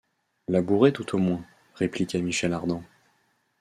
Labourés tout au moins, répliqua Michel Ardan.